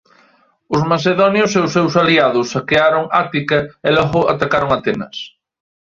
Os macedonios e os seus aliados saquearon Ática e logo atacaron Atenas.